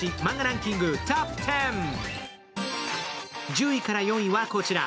１０位から４位はこちら。